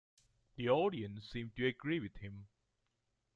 The audience seemed to agree with him.